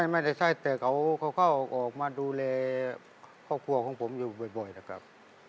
ไม่ใช่แต่เขาก็ออกมาดูแลครอบครัวของผมอยู่บ่อยนะครับ